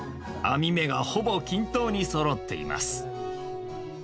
網目がほぼ均等にそろっています。